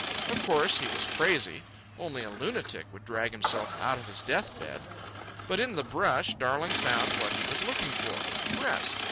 Of course he was crazy. Only a lunatic would drag himself out of his death bed. But in the brush, Darling found what he was looking for—rest.